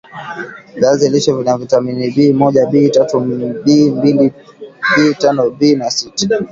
viazi lishe vina vitamini B moja B tatu Bmbili B tano B sita